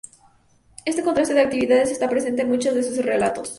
Este contraste de actitudes está presente en muchos de sus relatos.